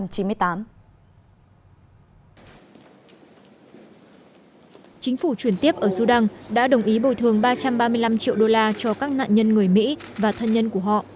chính phủ chuyển tiếp ở sudan đã đồng ý bồi thường ba trăm ba mươi năm triệu đô la cho các nạn nhân người mỹ và thân nhân của họ